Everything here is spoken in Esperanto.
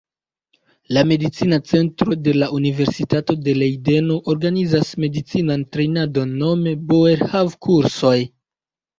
La Medicina Centro de la Universitato de Lejdeno organizas medicinan trejnadon nome "Boerhaave-kursoj".